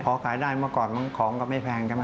พอขายได้เมื่อก่อนมันของก็ไม่แพง